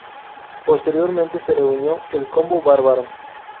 Posteriormente se reunió el "Combo Barbaro".